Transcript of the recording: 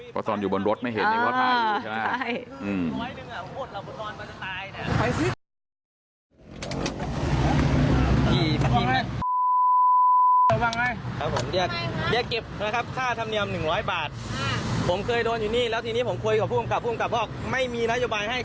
เพราะตอนอยู่บนรถไม่เห็นว่าถ่ายอยู่ใช่ไหม